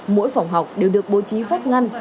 mỗi phòng học đều được bố trí phách ngăn